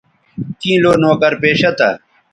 کیں لو نوکر پیشہ تھا